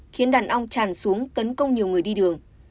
khiến đàn ong tràn xuống tấn công nhiều người đi đường